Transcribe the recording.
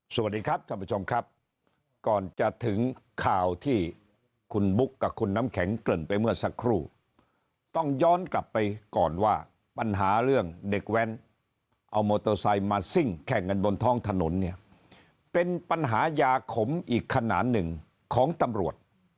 สวัสดีครับท่านผู้ชมครับก่อนจะถึงข่าวที่คุณบุ๊คกับคุณน้ำแข็งเกริ่นไปเมื่อสักครู่ต้องย้อนกลับไปก่อนว่าปัญหาเรื่องเด็กแว้นเอามอเตอร์ไซค์มาซิ่งแข่งกันบนท้องถนนเนี่ยเป็นปัญหายาขมอีกขนาดหนึ่งของตำรวจ